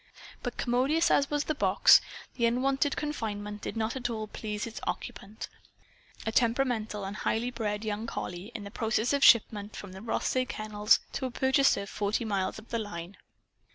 But commodious as was the box, the unwonted confinement did not at all please its occupant a temperamental and highly bred young collie in process of shipment from the Rothsay Kennels to a purchaser forty miles up the line.